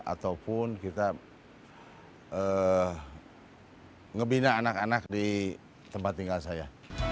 ataupun kita ngebina anak anak di tempat tinggal saya